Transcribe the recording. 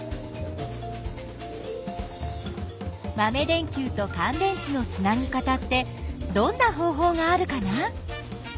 まめ電きゅうとかん電池のつなぎ方ってどんな方ほうがあるかな？